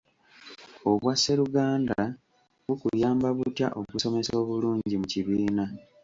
Obwasseruganda bukuyamba butya okusomesa obulungi mu kibiina ?